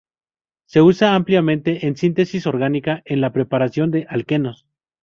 Se usa ampliamente en síntesis orgánica en la preparación de alquenos.